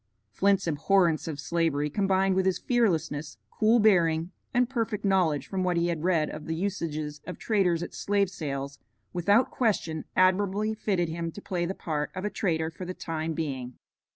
Flint's abhorrence of Slavery combined with his fearlessness, cool bearing, and perfect knowledge from what he had read of the usages of traders at slave sales, without question admirably fitted him to play the part of a trader for the time being.